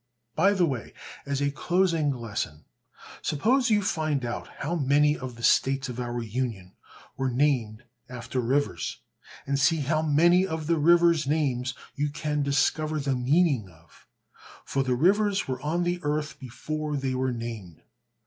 By the way, as a closing lesson, suppose you find out how many of the states of our Union were named after rivers, and see how many of the river names you can discover the meaning of; for the rivers were on the earth before they were named.